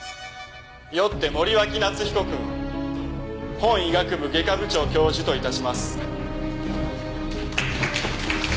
よって森脇夏彦くんを本医学部外科部長教授と致します。